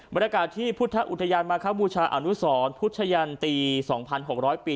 บรรยากาศที่พุทธอุทยานมาครับบูชาอานุสรพุทธชะยันตีสองพันหกร้อยปี